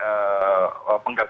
dengan isu penggantian